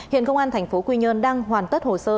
hiện công an thành phố quy nhơn đang hoàn tất hồ sơ